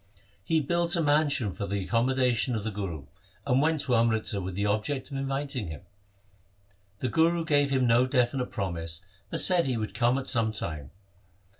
He built a mansion for the accommodation of the Guru, and went to Amritsar with the object of inviting him. The Guru gave him no definite promise, but said he would come at some time.